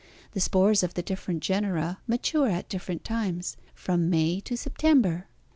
The spores of the different genera mature at different times from May to September.